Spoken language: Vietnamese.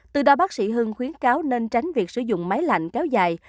từ đó bác sĩ hưng khuyến cáo nên tránh việc sử dụng máy lạnh kéo dài